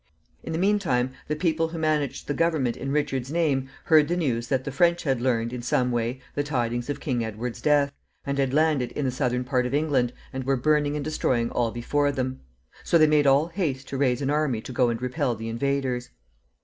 In the mean time, the people who managed the government in Richard's name heard the news that the French had learned, in some way, the tidings of King Edward's death, and had landed in the southern part of England, and were burning and destroying all before them. So they made all haste to raise an army to go and repel the invaders.